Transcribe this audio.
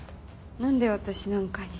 何で私なんかに？